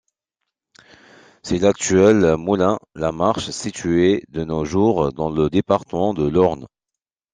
C'est l'actuel Moulins-la-Marche, situé de nos jours dans le département de l'Orne.